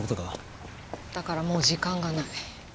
だからもう時間がない。